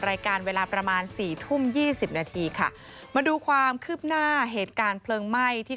รายการเวลาประมาณสี่ทุ่มยี่สิบนาทีค่ะมาดูความคืบหน้าเหตุการณ์เพลิงไหม้ที่